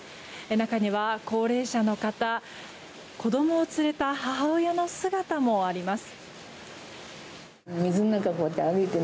中には、高齢者の方子供を連れた母親の姿もあります。